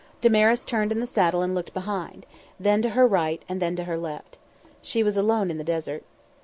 Damaris turned in the saddle and looked behind, and then to her right and then to her left. She was alone in the desert.